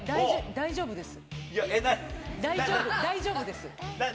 大丈夫です。